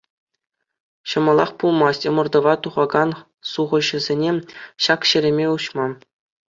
Ҫӑмӑлах пулмасть ӑмӑртӑва тухакан сухаҫӑсене ҫак ҫереме уҫма.